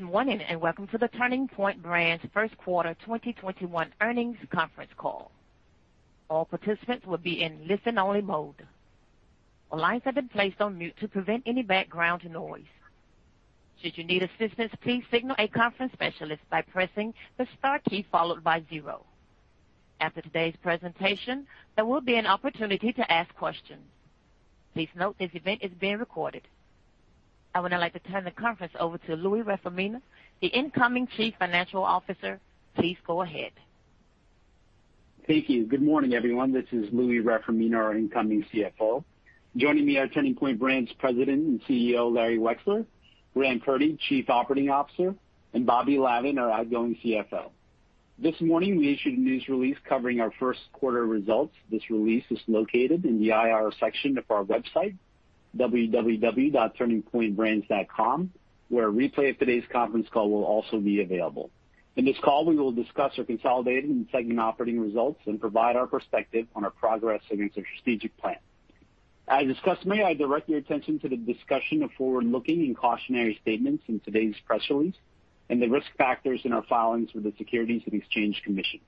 Good morning, welcome to the Turning Point Brands' first quarter 2021 earnings conference call. All participants will be in listen-only mode. A live webcast is placed on mute to prevent any background noise. Should you need assistance, please signal a conference specialist by pressing the star key followed by zero. After today's presentation, there will be an opportunity to ask questions. After today's presentation, there will be an opportunity to ask questions. Please note this event is being recorded. I would now like to turn the conference over to Louie Reformina, the incoming Chief Financial Officer. Please go ahead. Thank you. Good morning, everyone. This is Louie Reformina, our incoming Chief Financial Officer. Joining me are Turning Point Brands President and Chief Executive Officer, Larry S. Wexler; Graham A. Purdy, Chief Operating Officer; and Robert Lavin, our outgoing Chief Financial Officer. This morning, we issued a news release covering our first quarter results. This release is located in the Investor Relation section of our website, www.turningpointbrands.com, where a replay of today's conference call will also be available. In this call, we will discuss our consolidated and segment operating results and provide our perspective on our progress against our strategic plan. As discussed, may I direct your attention to the discussion of forward-looking and cautionary statements in today's press release and the risk factors in our filings with the Securities and Exchange Commission.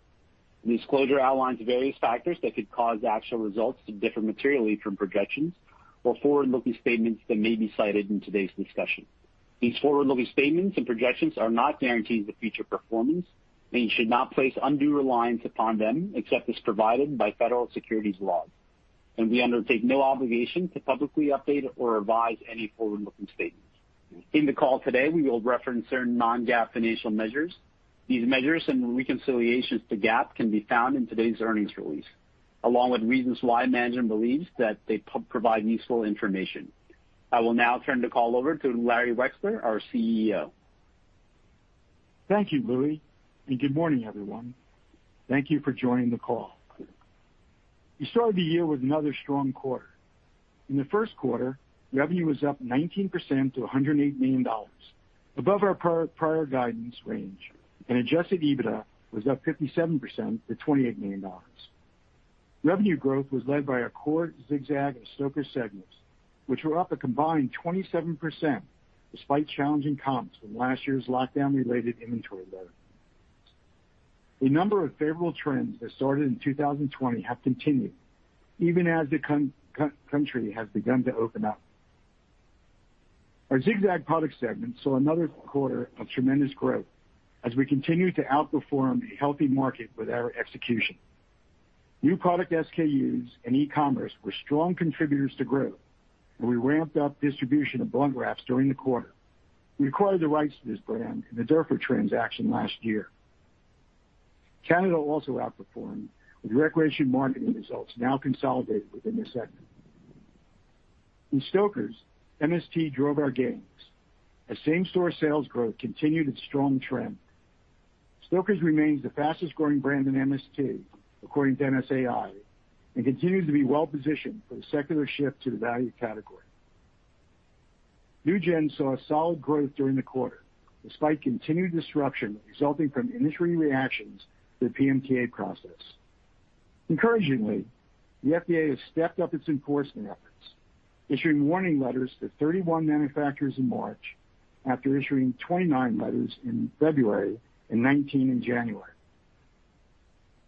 The disclosure outlines various factors that could cause actual results to differ materially from projections or forward-looking statements that may be cited in today's discussion. These forward-looking statements and projections are not guarantees of future performance. You should not place undue reliance upon them except as provided by federal securities law. We undertake no obligation to publicly update or revise any forward-looking statements. In the call today, we will reference certain non-GAAP financial measures. These measures and reconciliations to GAAP can be found in today's earnings release, along with reasons why management believes that they provide useful information. I will now turn the call over to Larry Wexler, our Chief Executive Officer. Thank you, Louie, and good morning, everyone. Thank you for joining the call. We started the year with another strong quarter. In the first quarter, revenue was up 19% to $108 million, above our prior guidance range, and Adjusted EBITDA was up 57% to $28 million. Revenue growth was led by our core Zig-Zag and Stoker segments, which were up a combined 27%, despite challenging comps from last year's lockdown-related inventory load. A number of favorable trends that started in 2020 have continued, even as the country has begun to open up. Our Zig-Zag products segment saw another quarter of tremendous growth as we continue to outperform a healthy market with our execution. New product SKUs and e-commerce were strong contributors to growth, and we ramped up distribution of Blunt Wrap wraps during the quarter. We acquired the rights to this brand in the Durfort transaction last year. Canada also outperformed, with ReCreation Marketing results now consolidated within the segment. In Stoker's, MST drove our gains, as same-store sales growth continued its strong trend. Stoker's remains the fastest-growing brand in MST, according to MSAi, and continues to be well-positioned for the secular shift to the value category. NewGen saw solid growth during the quarter, despite continued disruption resulting from industry reactions to the PMTA process. Encouragingly, the FDA has stepped up its enforcement efforts, issuing warning letters to 31 manufacturers in March after issuing 29 letters in February and 19 in January.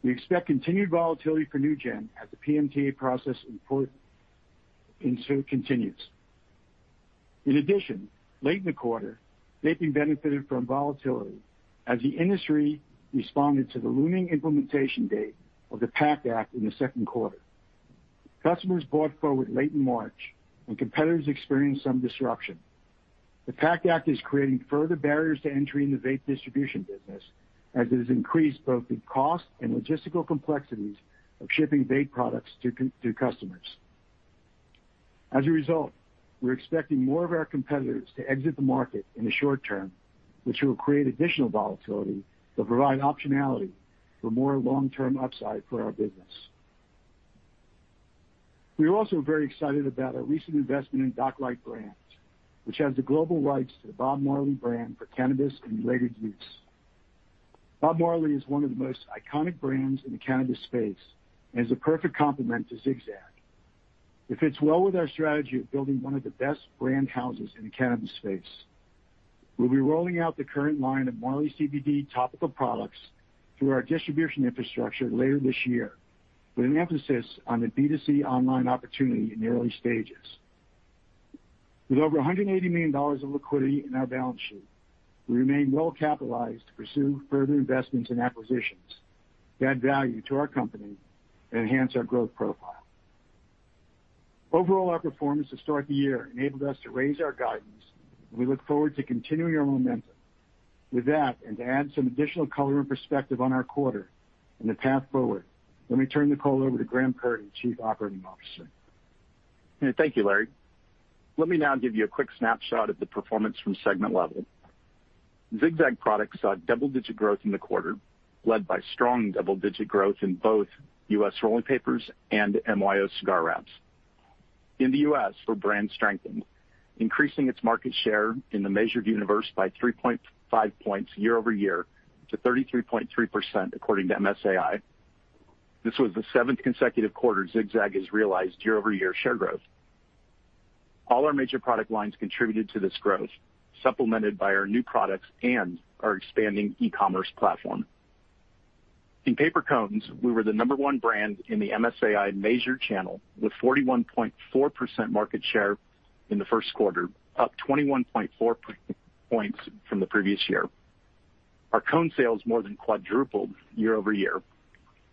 We expect continued volatility for NewGen as the PMTA process continues. In addition, late in the quarter, vaping benefited from volatility as the industry responded to the looming implementation date of the PACT Act in the second quarter. Customers bought forward late in March, and competitors experienced some disruption. The PACT Act is creating further barriers to entry in the vape distribution business, as it has increased both the cost and logistical complexities of shipping vape products to customers. As a result, we're expecting more of our competitors to exit the market in the short term, which will create additional volatility, but provide optionality for more long-term upside for our business. We are also very excited about our recent investment in Docklight Brands, which has the global rights to the Bob Marley brand for cannabis and related use. Bob Marley is one of the most iconic brands in the cannabis space and is a perfect complement to Zig-Zag. It fits well with our strategy of building one of the best brand houses in the cannabis space. We'll be rolling out the current line of Marley CBD topical products through our distribution infrastructure later this year, with an emphasis on the B2C online opportunity in the early stages. With over $180 million of liquidity in our balance sheet, we remain well-capitalized to pursue further investments and acquisitions to add value to our company and enhance our growth profile. Overall, our performance to start the year enabled us to raise our guidance, and we look forward to continuing our momentum. With that, and to add some additional color and perspective on our quarter and the path forward, let me turn the call over to Graham Purdy, Chief Operating Officer. Thank you, Larry. Let me now give you a quick snapshot of the performance from segment level. Zig-Zag products saw double-digit growth in the quarter, led by strong double-digit growth in both U.S. rolling papers and MYO Cigar Wraps. In the U.S., our brand strengthened, increasing its market share in the measured universe by 3.5 points YoY to 33.3%, according to MSAi. This was the seventh consecutive quarter Zig-Zag has realized YoY share growth. All our major product lines contributed to this growth, supplemented by our new products and our expanding e-commerce platform. In paper cones, we were the number one brand in the MSAi measured channel with 41.4% market share in the first quarter, up 21.4 points from the previous year. Our cone sales more than quadrupled YoY.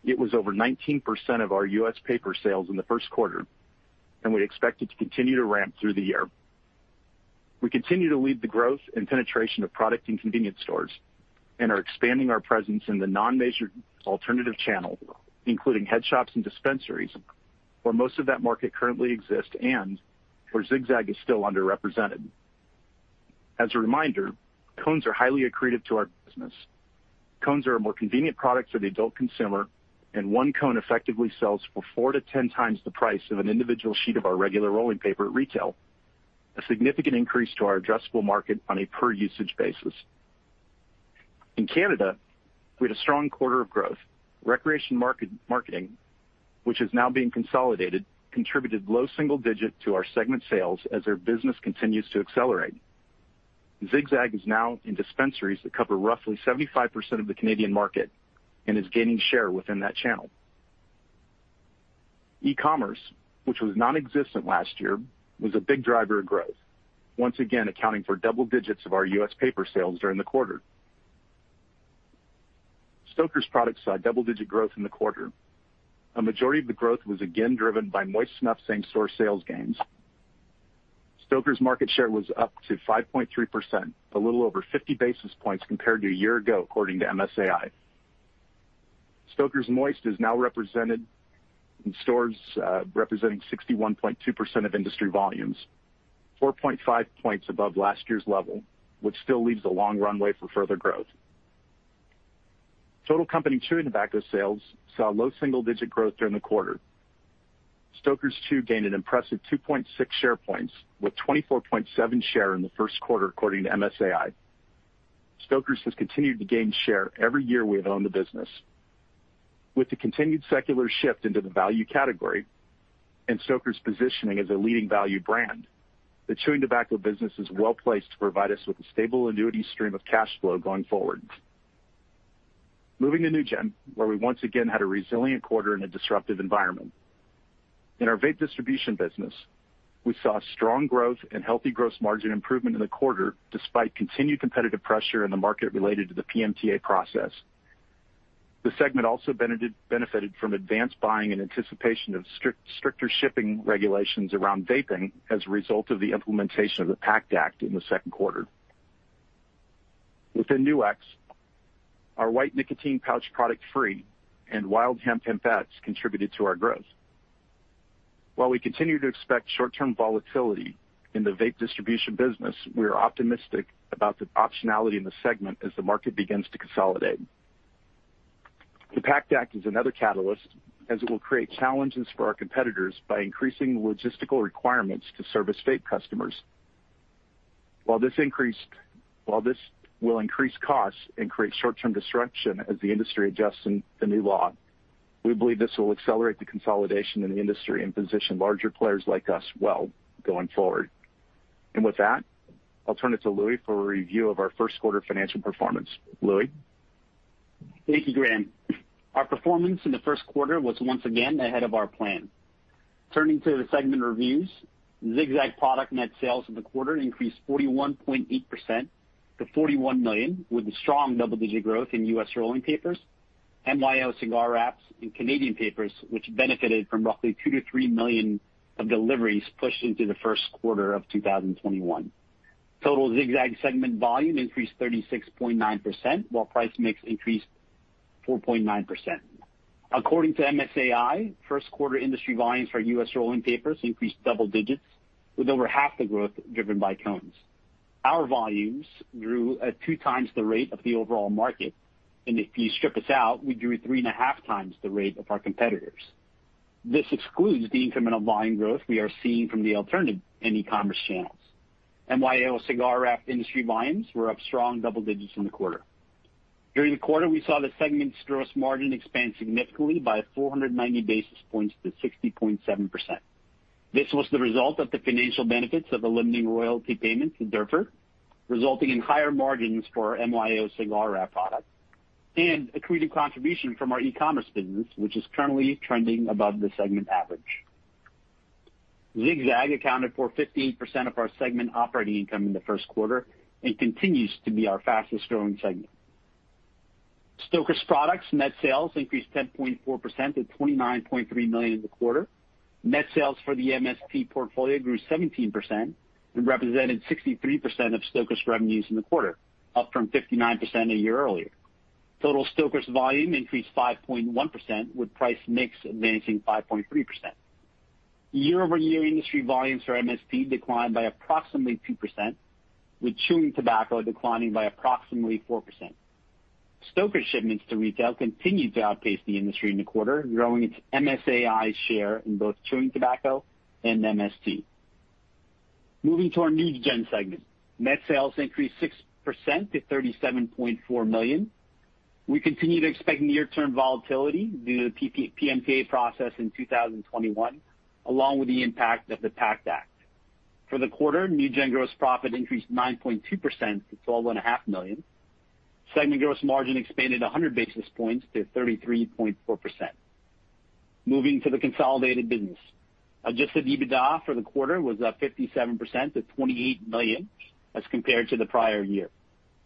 It was over 19% of our U.S. paper sales in the first quarter, and we expect it to continue to ramp through the year. We continue to lead the growth and penetration of product in convenience stores and are expanding our presence in the non-measured alternative channel, including headshops and dispensaries, where most of that market currently exists and where Zig-Zag is still underrepresented. As a reminder, cones are highly accretive to our business. Cones are a more convenient product for the adult consumer, and one cone effectively sells for 4-10 times the price of an individual sheet of our regular rolling paper at retail, a significant increase to our addressable market on a per-usage basis. In Canada, we had a strong quarter of growth. ReCreation Marketing, which is now being consolidated, contributed low single digit to our segment sales as their business continues to accelerate. Zig-Zag is now in dispensaries that cover roughly 75% of the Canadian market and is gaining share within that channel. E-commerce, which was non-existent last year, was a big driver of growth, once again accounting for double digits of our U.S. paper sales during the quarter. Stoker's products saw double-digit growth in the quarter. A majority of the growth was again driven by moist snuff same-store sales gains. Stoker's market share was up to 5.3%, a little over 50 basis points compared to a year ago, according to MSAi. Stoker's Moist is now represented in stores, representing 61.2% of industry volumes, 4.5 points above last year's level, which still leaves a long runway for further growth. Total company chewing tobacco sales saw low single-digit growth during the quarter. Stoker's Chew gained an impressive 2.6 share points, with 24.7 share in the first quarter, according to MSAi. Stoker's has continued to gain share every year we have owned the business. With the continued secular shift into the value category and Stoker's positioning as a leading value brand, the chewing tobacco business is well-placed to provide us with a stable annuity stream of cash flow going forward. Moving to New Gen, where we once again had a resilient quarter in a disruptive environment. In our vape distribution business, we saw strong growth and healthy gross margin improvement in the quarter, despite continued competitive pressure in the market related to the PMTA process. The segment also benefited from advanced buying in anticipation of stricter shipping regulations around vaping as a result of the implementation of the PACT Act in the second quarter. Within Nu-X, our white nicotine pouch product, FRĒ, and Wild Hemp Hempettes contributed to our growth. While we continue to expect short-term volatility in the vape distribution business, we are optimistic about the optionality in the segment as the market begins to consolidate. The PACT Act is another catalyst, as it will create challenges for our competitors by increasing logistical requirements to service vape customers. While this will increase costs and create short-term disruption as the industry adjusts to the new law, we believe this will accelerate the consolidation in the industry and position larger players like us well going forward. With that, I'll turn it to Louie for a review of our first quarter financial performance. Louie? Thank you, Graham. Our performance in the first quarter was once again ahead of our plan. Turning to the segment reviews, Zig-Zag product net sales for the quarter increased 41.8% to $41 million, with strong double-digit growth in U.S. rolling papers, MYO cigar wraps, and Canadian papers, which benefited from roughly $2 million-$3 million of deliveries pushed into the first quarter of 2021. Total Zig-Zag segment volume increased 36.9%, while price mix increased 4.9%. According to MSAi, first quarter industry volumes for U.S. rolling papers increased double digits, with over half the growth driven by cones. Our volumes grew at two times the rate of the overall market, and if you strip us out, we grew at three and a half times the rate of our competitors. This excludes the incremental volume growth we are seeing from the alternative and e-commerce channels. MYO cigar wrap industry volumes were up strong double digits in the quarter. During the quarter, we saw the segment's gross margin expand significantly by 490 basis points to 60.7%. This was the result of the financial benefits of eliminating royalty payments to Durfort, resulting in higher margins for our MYO cigar wrap product, and accreted contribution from our e-commerce business, which is currently trending above the segment average. Zig-Zag accounted for 58% of our segment operating income in the first quarter and continues to be our fastest-growing segment. Stoker's products net sales increased 10.4% to $29.3 million in the quarter. Net sales for the MST portfolio grew 17% and represented 63% of Stoker's revenues in the quarter, up from 59% a year earlier. Total Stoker's volume increased 5.1%, with price mix advancing 5.3%. YoY industry volumes for MST declined by approximately 2%, with chewing tobacco declining by approximately 4%. Stoker shipments to retail continued to outpace the industry in the quarter, growing its MSAi share in both chewing tobacco and MST. Moving to our NewGen segment. Net sales increased 6% to $37.4 million. We continue to expect near-term volatility due to the PMTA process in 2021, along with the impact of the PACT Act. For the quarter, NewGen gross profit increased 9.2% to $12.5 million. Segment gross margin expanded 100 basis points to 33.4%. Moving to the consolidated business. Adjusted EBITDA for the quarter was up 57% to $28 million as compared to the prior year.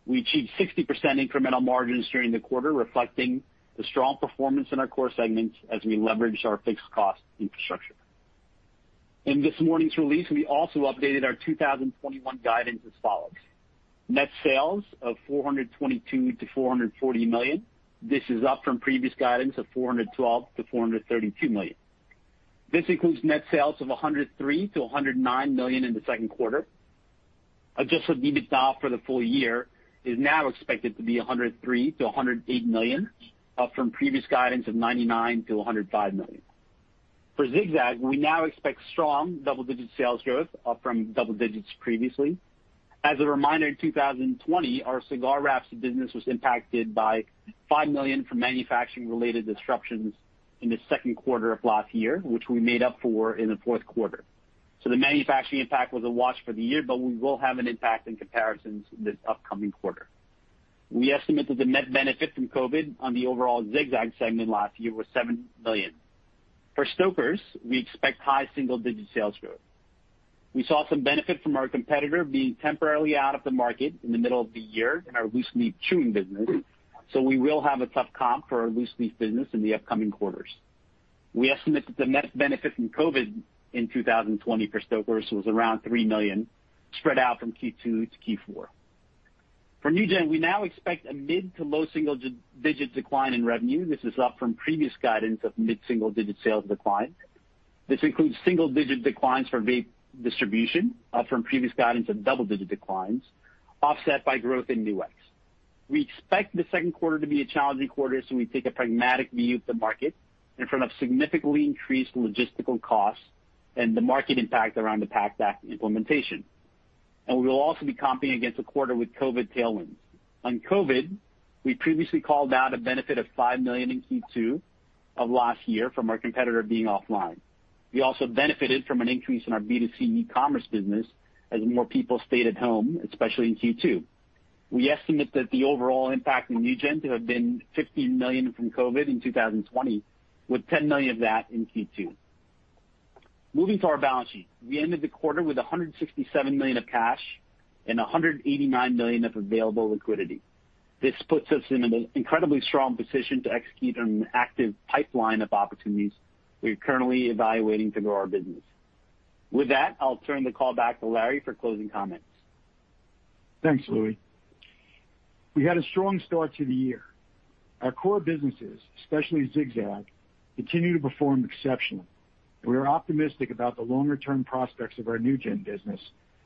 We achieved 60% incremental margins during the quarter, reflecting the strong performance in our core segments as we leverage our fixed cost infrastructure. In this morning's release, we also updated our 2021 guidance as follows. Net sales of $422 million-$440 million. This is up from previous guidance of $412 million-$432 million. This includes net sales of $103 million-$109 million in the second quarter. Adjusted EBITDA for the full year is now expected to be $103 million-$108 million, up from previous guidance of $99 million-$105 million. For Zig-Zag, we now expect strong double-digit sales growth up from double digits previously. As a reminder, in 2020, our Cigar Wraps business was impacted by $5 million from manufacturing-related disruptions in the second quarter of last year, which we made up for in the fourth quarter. The manufacturing impact was a wash for the year, but we will have an impact in comparisons this upcoming quarter. We estimated the net benefit from COVID on the overall Zig-Zag segment last year was $7 million. For Stoker's, we expect high single-digit sales growth. We saw some benefit from our competitor being temporarily out of the market in the middle of the year in our loose-leaf chewing business. We will have a tough comp for our loose-leaf business in the upcoming quarters. We estimate that the net benefit from COVID in 2020 for Stoker's was around $3 million, spread out from Q2 to Q4. For NewGen, we now expect a mid to low single-digit decline in revenue. This is up from previous guidance of mid-single-digit sales decline. This includes single-digit declines for vape distribution, up from previous guidance of double-digit declines, offset by growth in Nu-X. We expect the second quarter to be a challenging quarter, so we take a pragmatic view of the market in front of significantly increased logistical costs and the market impact around the PACT Act implementation. We will also be comping against a quarter with COVID tailwinds. On COVID, we previously called out a benefit of $5 million in Q2 of last year from our competitor being offline. We also benefited from an increase in our B2C e-commerce business as more people stayed at home, especially in Q2. We estimate that the overall impact in NewGen to have been $15 million from COVID in 2020, with $10 million of that in Q2. Moving to our balance sheet. We ended the quarter with $167 million of cash and $189 million of available liquidity. This puts us in an incredibly strong position to execute on an active pipeline of opportunities we're currently evaluating to grow our business. With that, I'll turn the call back to Larry for closing comments. Thanks, Louie. We had a strong start to the year. Our core businesses, especially Zig-Zag, continue to perform exceptionally. We are optimistic about the longer-term prospects of our NewGen business,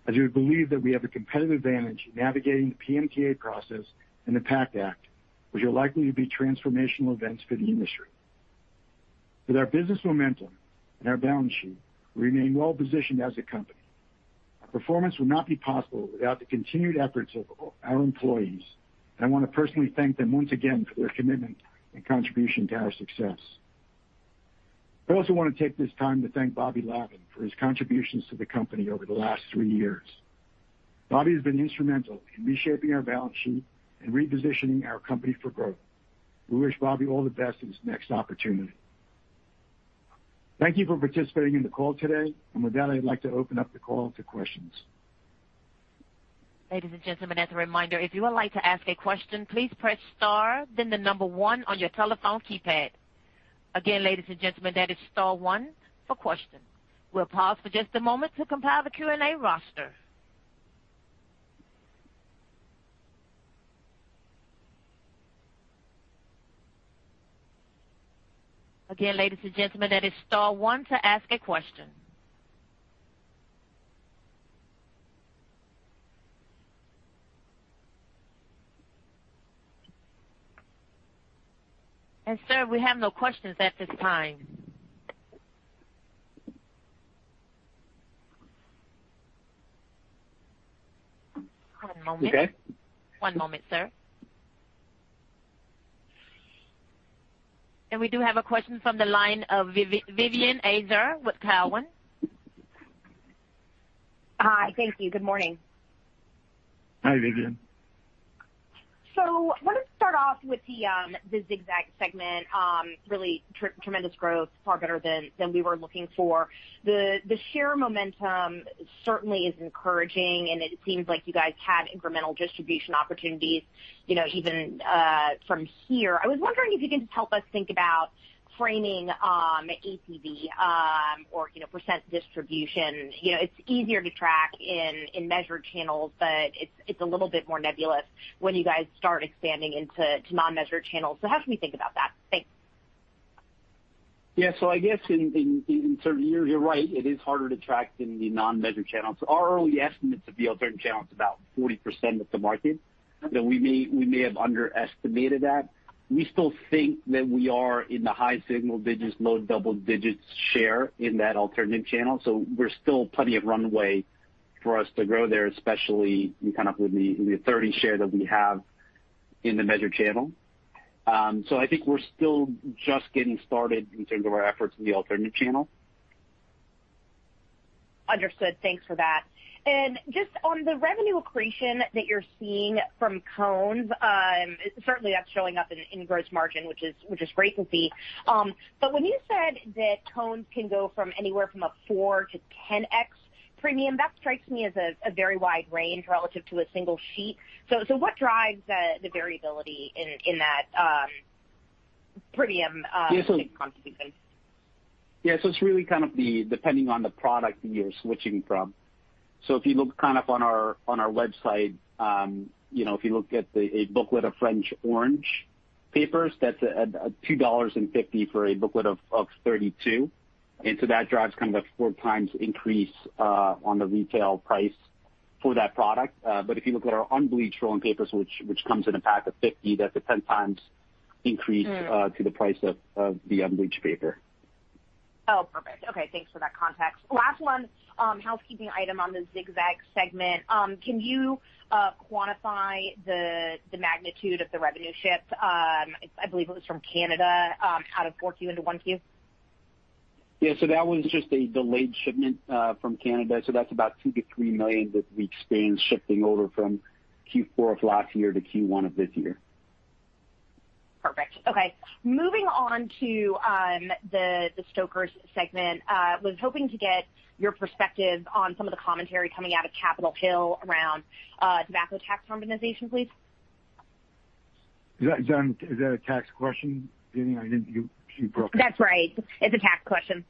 as we believe that we have a competitive advantage in navigating the PMTA process and the PACT Act, which are likely to be transformational events for the industry. With our business momentum and our balance sheet, we remain well-positioned as a company. Our performance would not be possible without the continued efforts of our employees, and I want to personally thank them once again for their commitment and contribution to our success. I also want to take this time to thank Bobby Lavin for his contributions to the company over the last three years. Bobby has been instrumental in reshaping our balance sheet and repositioning our company for growth. We wish Bobby all the best in his next opportunity. Thank you for participating in the call today. With that, I'd like to open up the call to questions. Ladies and gentlemen, as a reminder, if you would like to ask a question, please press star, then the number one on your telephone keypad. Again, ladies and gentlemen, that is star one for questions. We'll pause for just a moment to compile the Q&A roster. Again, ladies and gentlemen, that is star one to ask a question. Sir, we have no questions at this time. One moment. Okay. One moment, sir. We do have a question from the line of Vivien Azer with Cowen. Hi. Thank you. Good morning. Hi, Vivien. I wanted to start off with the Zig-Zag segment. Really tremendous growth, far better than we were looking for. The share momentum certainly is encouraging, and it seems like you guys have incremental distribution opportunities even from here. I was wondering if you can just help us think about framing ACV or percent distribution. It's easier to track in measured channels, but it's a little bit more nebulous when you guys start expanding into non-measured channels. How should we think about that? Thanks. I guess you're right. It is harder to track in the non-measured channels. Our early estimates of the alternative channel is about 40% of the market, that we may have underestimated that. We still think that we are in the high single digits, low double digits share in that alternative channel. We're still plenty of runway for us to grow there, especially with the 30% share that we have in the measured channel. I think we're still just getting started in terms of our efforts in the alternate channel. Understood. Thanks for that. Just on the revenue accretion that you're seeing from cones, certainly that's showing up in gross margin, which is great to see. When you said that cones can go from anywhere from a 4x-10x premium, that strikes me as a very wide range relative to a single sheet. What drives the variability in that premium? Yeah. It's really depending on the product you're switching from. If you look on our website, if you look at a booklet of French Orange papers, that's at $2.50 for a booklet of 32. That drives a four times increase on the retail price for that product. If you look at our unbleached rolling papers, which comes in a pack of 50, that's a 10 times increase. To the price of the unbleached paper. Perfect. Okay. Thanks for that context. Last one, housekeeping item on the Zig-Zag segment. Can you quantify the magnitude of the revenue shift? I believe it was from Canada, out of 4Q into 1Q. Yeah. That was just a delayed shipment from Canada. That's about $2 million-$3 million that we've seen shifting over from Q4 of last year to Q1 of this year. Perfect. Okay. Moving on to the Stoker's segment. Was hoping to get your perspective on some of the commentary coming out of Capitol Hill around tobacco tax harmonization, please. Is that a tax question, Vivien? I didn't, you broke up. That's right, it's a tax question.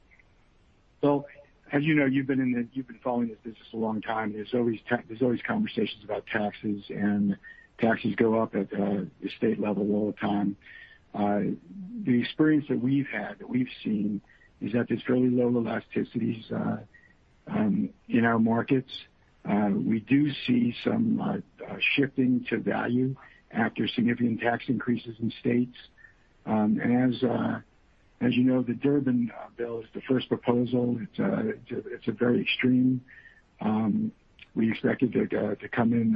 As you know, you've been following this business a long time. There's always conversations about taxes, and taxes go up at the state level all the time. The experience that we've had, that we've seen, is that there's very low elasticities in our markets. We do see some shifting to value after significant tax increases in states. As you know, the Durbin Bill is the first proposal. It's very extreme. We expected it to come in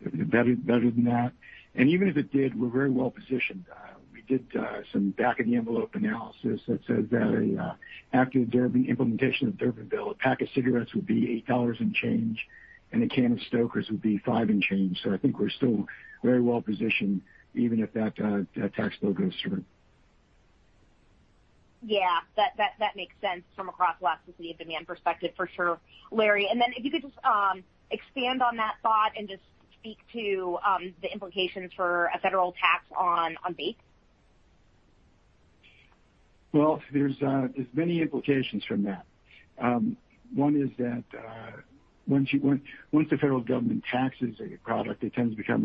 better than that. Even if it did, we're very well-positioned. We did some back of the envelope analysis that says that after the implementation of the Durbin Bill, a pack of cigarettes would be $8 and change, and a can of Stoker's would be $5 and change. I think we're still very well-positioned, even if that tax bill goes through. Yeah. That makes sense from a cross-elasticity of demand perspective, for sure, Larry. If you could just expand on that thought and just speak to the implications for a federal tax on vape. Well, there's many implications from that. One is that, once the federal government taxes a product, it tends to become,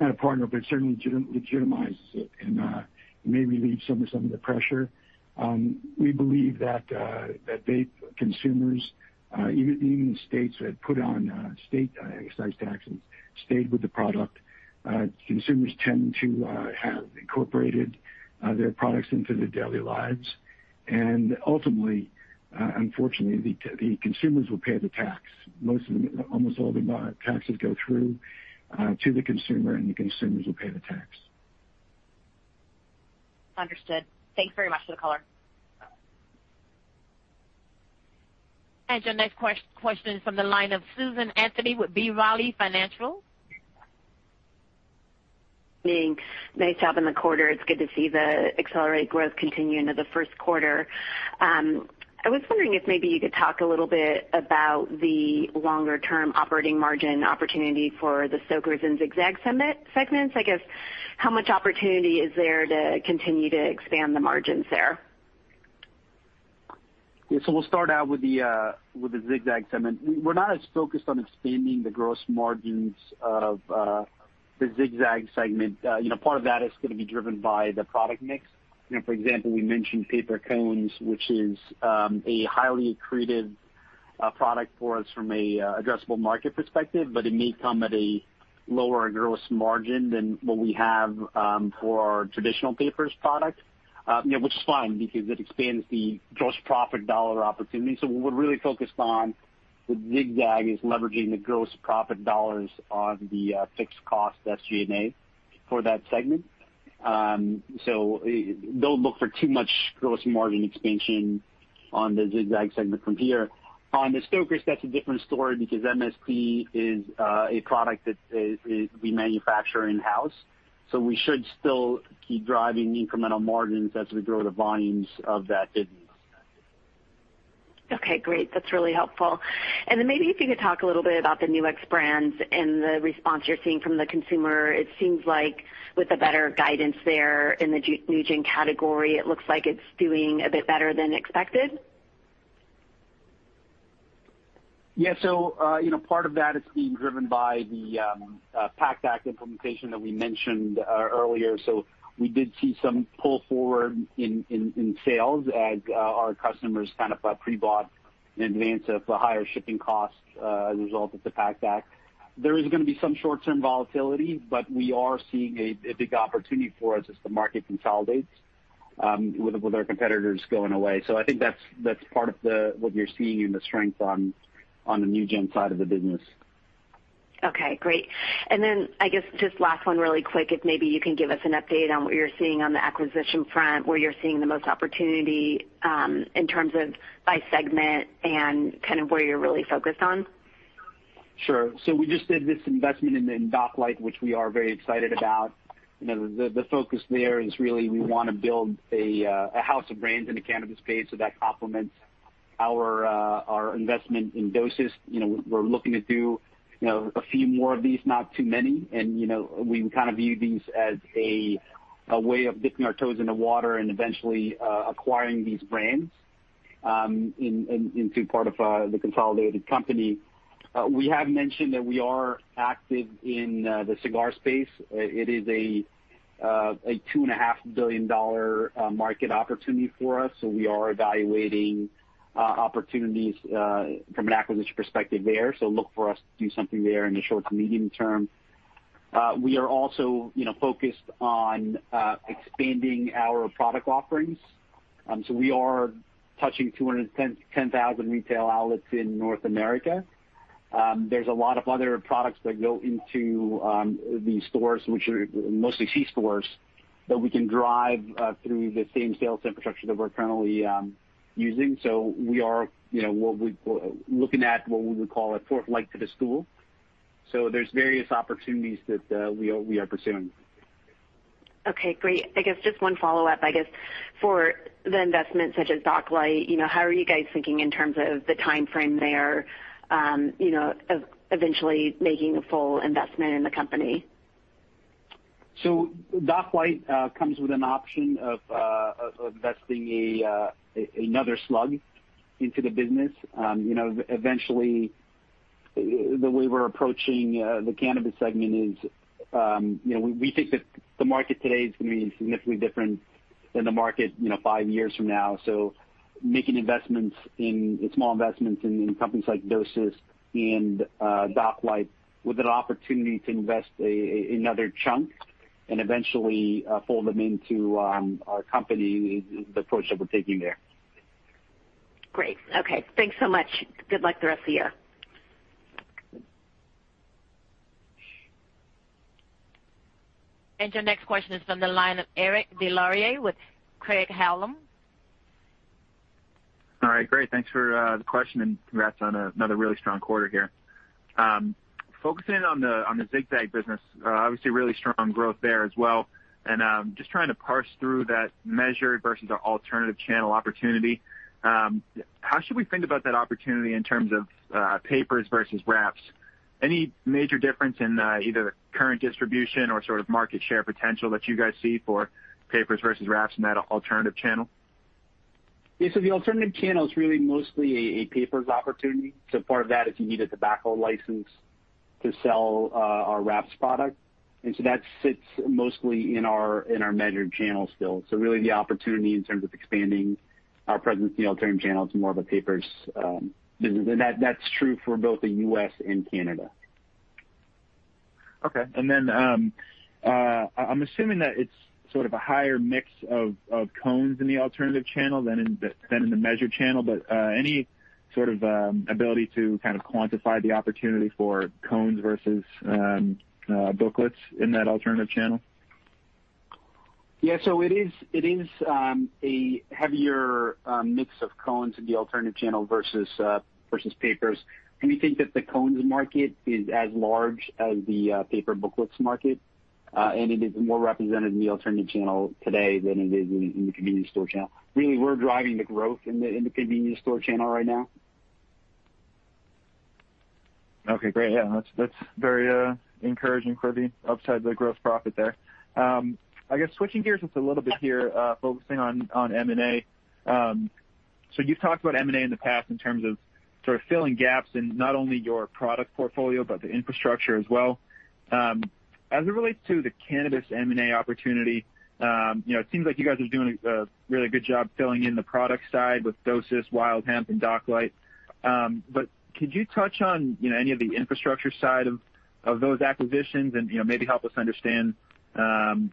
not a partner, but it certainly legitimizes it and maybe relieves some of the pressure. We believe that vape consumers, even in states that put on state excise taxes, stayed with the product. Consumers tend to have incorporated their products into their daily lives. Ultimately, unfortunately, the consumers will pay the tax. Almost all the taxes go through to the consumer, and the consumers will pay the tax. Understood. Thanks very much for the color. Your next question is from the line of Susan Anderson with B. Riley Financial. Thanks. Nice job in the quarter. It's good to see the accelerated growth continue into the first quarter. I was wondering if maybe you could talk a little bit about the longer-term operating margin opportunity for the Stoker's and Zig-Zag segments. I guess, how much opportunity is there to continue to expand the margins there? Yeah. We'll start out with the Zig-Zag segment. We're not as focused on expanding the gross margins of the Zig-Zag segment. Part of that is going to be driven by the product mix. For example, we mentioned paper cones, which is a highly accretive product for us from an addressable market perspective, but it may come at a lower gross margin than what we have for our traditional papers product. Which is fine, because it expands the gross profit dollar opportunity. What we're really focused on with Zig-Zag is leveraging the gross profit dollars on the fixed cost of SG&A for that segment. Don't look for too much gross margin expansion on the Zig-Zag segment from here. On the Stoker's, that's a different story because MST is a product that we manufacture in-house. We should still keep driving incremental margins as we grow the volumes of that business. Okay, great. That's really helpful. Maybe if you could talk a little bit about the Nu-X brands and the response you're seeing from the consumer. It seems like with the better guidance there in the NewGen category, it looks like it's doing a bit better than expected? Yeah. Part of that is being driven by the PACT Act implementation that we mentioned earlier. We did see some pull forward in sales as our customers pre-bought in advance of the higher shipping costs as a result of the PACT Act. There is going to be some short-term volatility, but we are seeing a big opportunity for us as the market consolidates with our competitors going away. I think that's part of what you're seeing in the strength on the NewGen side of the business. Okay, great. I guess just last one really quick, if maybe you can give us an update on what you're seeing on the acquisition front, where you're seeing the most opportunity, in terms of by segment and where you're really focused on? Sure. We just did this investment in Docklight, which we are very excited about. The focus there is really we want to build a house of brands in the cannabis space so that complements our investment in dosist. We're looking to do a few more of these, not too many. We kind of view these as a way of dipping our toes in the water and eventually acquiring these brands into part of the consolidated company. We have mentioned that we are active in the cigar space. It is a $2.5 billion market opportunity for us, so we are evaluating opportunities from an acquisition perspective there. Look for us to do something there in the short to medium term. We are also focused on expanding our product offerings. We are touching 210,000 retail outlets in North America. There's a lot of other products that go into these stores, which are mostly c-stores, that we can drive through the same sales infrastructure that we're currently using. We are looking at what we would call a fourth leg to the stool. There's various opportunities that we are pursuing. Okay, great. I guess just one follow-up, I guess for the investment such as Docklight, how are you guys thinking in terms of the timeframe there, of eventually making a full investment in the company? Docklight comes with an option of investing another slug into the business. Eventually, the way we're approaching the cannabis segment is, we think that the market today is going to be significantly different than the market five years from now. Making small investments in companies like dosist and Docklight with an opportunity to invest another chunk and eventually fold them into our company is the approach that we're taking there. Great. Okay. Thanks so much. Good luck the rest of the year. Your next question is from the line of Eric Des Lauriers with Craig-Hallum. All right, great. Thanks for the question and congrats on another really strong quarter here. Focusing on the Zig-Zag business, obviously really strong growth there as well. Just trying to parse through that measured versus our alternative channel opportunity. How should we think about that opportunity in terms of papers versus wraps? Any major difference in either the current distribution or sort of market share potential that you guys see for papers versus wraps in that alternative channel? Yeah, the alternative channel is really mostly a papers opportunity, part of that is you need a tobacco license to sell our wraps product. That sits mostly in our measured channel still. Really the opportunity in terms of expanding our presence in the alternative channel to more of a papers. That's true for both the U.S. and Canada. Okay. I'm assuming that it's sort of a higher mix of cones in the alternative channel than in the measured channel, but any sort of ability to kind of quantify the opportunity for cones versus booklets in that alternative channel? Yeah. It is a heavier mix of cones in the alternative channel versus papers. We think that the cones market is as large as the paper booklets market. It is more represented in the alternative channel today than it is in the convenience store channel. Really, we're driving the growth in the convenience store channel right now. Okay, great. Yeah, that's very encouraging for the upside of the growth profit there. I guess switching gears just a little bit here, focusing on M&A. You've talked about M&A in the past in terms of sort of filling gaps in not only your product portfolio, but the infrastructure as well. As it relates to the cannabis M&A opportunity, it seems like you guys are doing a really good job filling in the product side with dosist, Wild Hemp, and Docklight. Could you touch on any of the infrastructure side of those acquisitions and maybe help us understand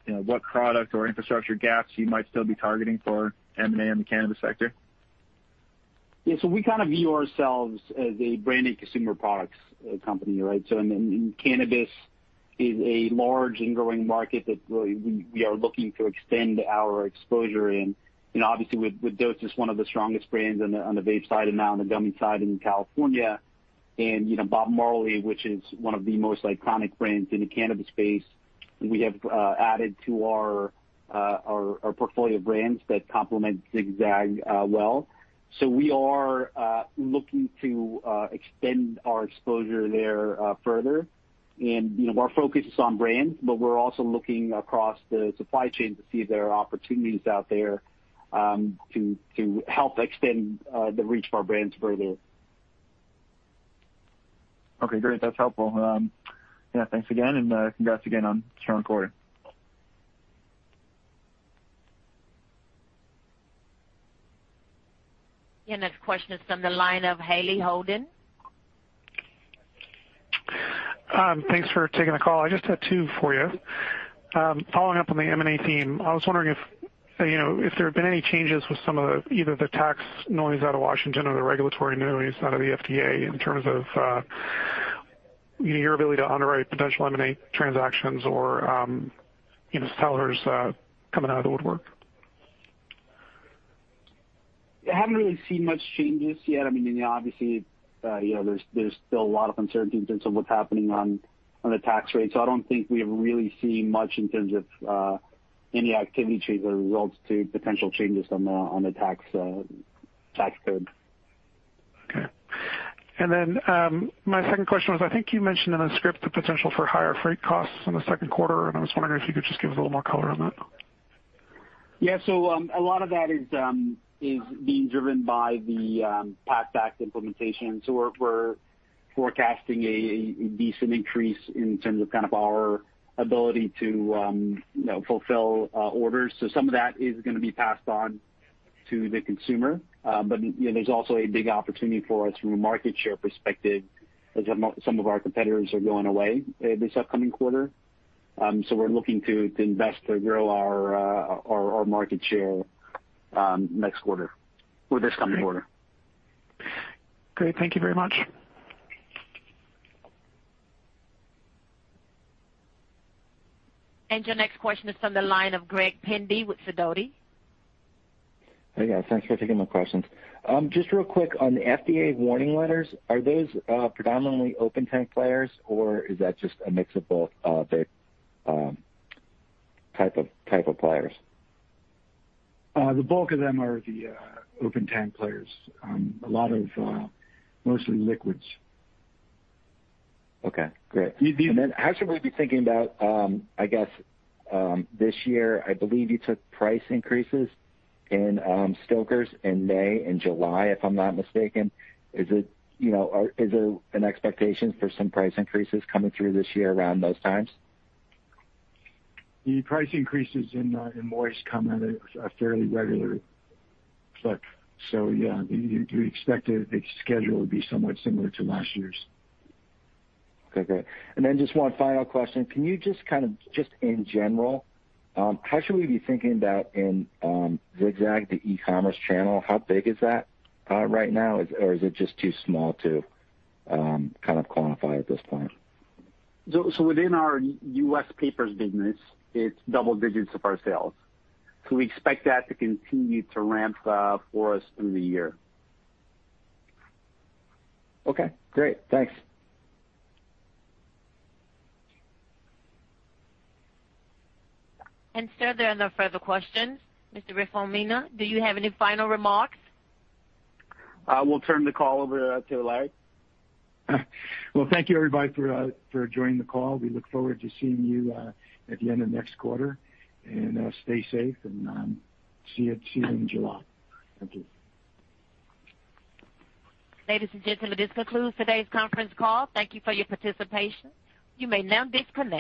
what product or infrastructure gaps you might still be targeting for M&A in the cannabis sector? Yeah. We kind of view ourselves as a branded consumer products company, right? Cannabis is a large and growing market that we are looking to extend our exposure in. Obviously with dosist, one of the strongest brands on the vape side, and now on the gummy side in California. Bob Marley, which is one of the most iconic brands in the cannabis space, we have added to our portfolio of brands that complement Zig-Zag well. We are looking to extend our exposure there further. Our focus is on brands, but we're also looking across the supply chain to see if there are opportunities out there to help extend the reach of our brands further. Okay, great. That's helpful. Yeah, thanks again, and congrats again on a strong quarter. Your next question is from the line of Haley Holden. Thanks for taking the call. I just had two for you. Following-up on the M&A theme, I was wondering if there have been any changes with either the tax noise out of Washington or the regulatory noise out of the FDA in terms of your ability to underwrite potential M&A transactions or sellers coming out of the woodwork. I haven't really seen much changes yet. Obviously, there's still a lot of uncertainty in terms of what's happening on the tax rate. I don't think we have really seen much in terms of any activity change as it relates to potential changes on the tax code. Okay. My second question was, I think you mentioned in the script the potential for higher freight costs in the second quarter. I was wondering if you could just give us a little more color on that. Yeah. A lot of that is being driven by the PACT Act implementation. We're forecasting a decent increase in terms of our ability to fulfill orders. Some of that is going to be passed on to the consumer. There's also a big opportunity for us from a market share perspective, as some of our competitors are going away this upcoming quarter. We're looking to invest to grow our market share next quarter or this coming quarter. Great. Thank you very much. Your next question is on the line of Greg Pendy with Sidoti. Hey, guys. Thanks for taking my questions. Just real quick on the FDA warning letters, are those predominantly open tank players, or is that just a mix of both type of players? The bulk of them are the open tank players. Mostly liquids. Okay, great. You'd be- Then how should we be thinking about, I guess, this year, I believe you took price increases in Stoker's in May and July, if I'm not mistaken. Is there an expectation for some price increases coming through this year around those times? The price increases in Stoker's come at a fairly regular clip. Yeah, we expect the schedule to be somewhat similar to last year's. Okay. Just one final question. Can you just in general, how should we be thinking about in Zig-Zag, the e-commerce channel, how big is that right now? Is it just too small to quantify at this point? Within our U.S. papers business, it's double digits of our sales. We expect that to continue to ramp up for us through the year. Okay, great. Thanks. Sir, there are no further questions. Mr. Reformina, do you have any final remarks? I will turn the call over to Larry. Well, thank you everybody for joining the call. We look forward to seeing you at the end of next quarter. Stay safe, and see you in July. Thank you. Ladies and gentlemen, this concludes today's conference call. Thank you for your participation. You may now disconnect.